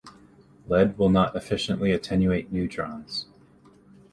Lead will not efficiently attenuate neutrons.